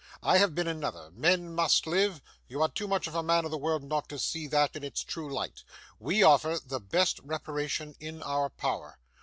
I have been another; men must live; you are too much a man of the world not to see that in its true light. We offer the best reparation in our power.